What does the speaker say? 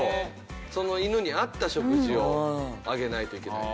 その犬に合った食事をあげないといけないと。